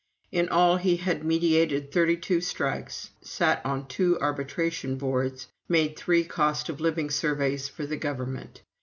In all, he had mediated thirty two strikes, sat on two arbitration boards, made three cost of living surveys for the Government.